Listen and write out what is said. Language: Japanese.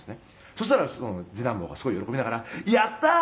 「そしたら次男坊がすごい喜びながら“やったー！